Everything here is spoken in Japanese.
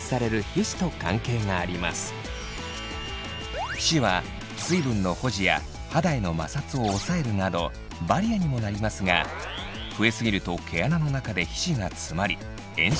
皮脂は水分の保持や肌への摩擦を抑えるなどバリアにもなりますが増えすぎると毛穴の中で皮脂が詰まり炎症状態が起きます。